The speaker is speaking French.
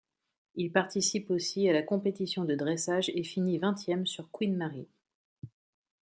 Il participe aussi à la compétition de dressage et finit vingtième sur Queen Mary.